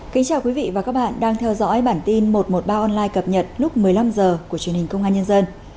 chào mừng quý vị đến với bản tin một trăm một mươi ba online cập nhật lúc một mươi năm h của truyền hình công an nhân dân